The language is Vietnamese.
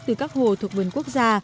từ các hồ thuộc vườn quốc gia